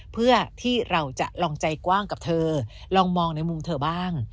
เพื่อที่เราจะลองใจกว้างกับเธอลองมองในมุมเธอบ้าง